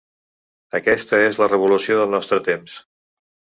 Aquesta és la revolució del nostre temps!